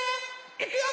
いくよ！